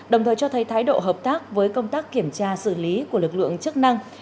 đồng thời cho thấy thái độ hợp tác với công tác kiểm tra xử lý của lực lượng chức năng